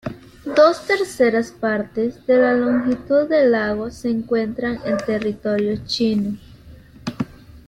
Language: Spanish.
Dos terceras partes de la longitud del lago se encuentran en territorio chino.